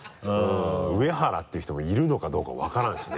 うえはらっていう人もいるのかどうか分からんしね。